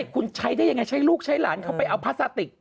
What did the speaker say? คุณใช้ได้ยังไงใช้ลูกใช้หลานเข้าไปเอาพลาสติก